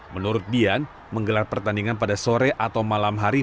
menurut dian menggelar pertandingan pada sore atau malam hari